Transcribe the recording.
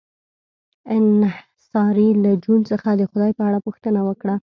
انصاري له جون څخه د خدای په اړه پوښتنه وکړه